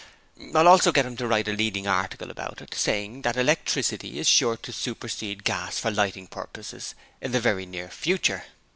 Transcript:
I'll also get him to write a leading article about it, saying that electricity is sure to supersede gas for lighting purposes in the very near future.